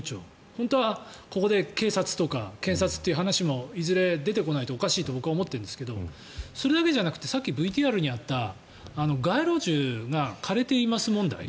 本当はここで警察とか検察という話もいずれ出てこないとおかしいと僕は思っているんですけどそれだけじゃなくてさっきＶＴＲにあった街路樹が枯れています問題。